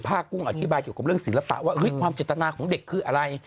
ผ้ากุ้งอธิบายกับเรื่องศิลปะความจิตตนาของเด็กคืออะไร